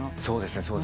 そうですね。